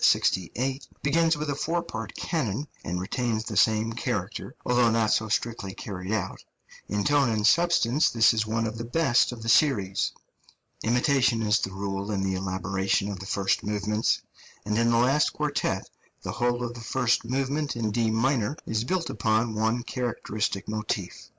begins with a four part canon and retains the same character, although not so strictly carried out; in tone and substance this is one of the best of the series. Imitation is the rule in the elaboration of the first movements; and in the last quartet the whole of the first movement in D minor is built upon one characteristic motif.